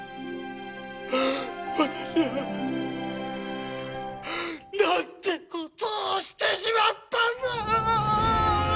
私はなんてことをしてしまったんだ！